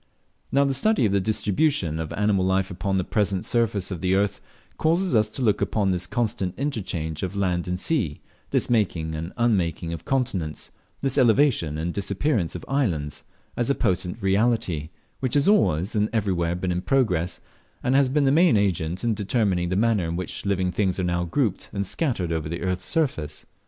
Now the study of the distribution of animal life upon the present surface of the earth, causes us to look upon this constant interchange of land and sea this making and unmaking of continents, this elevation and disappearance of islands as a potent reality, which has always and everywhere been in progress, and has been the main agent in determining the manner in which living things are now grouped and scattered over the earth's surface.